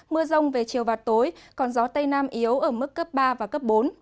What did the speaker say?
mưa rông về chiều và tối còn gió tây nam yếu ở mức cấp ba và cấp bốn